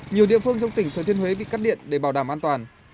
nhiều địa phương trong tỉnh thừa thiên huế bị cắt điện để bảo đảm an toàn